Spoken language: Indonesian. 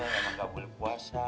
memang tidak boleh puasa